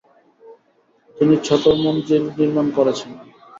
তিনি ছতর মঞ্জিল নির্মাণ করেছেন।